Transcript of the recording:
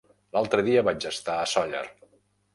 L'altre dia vaig estar a Sóller.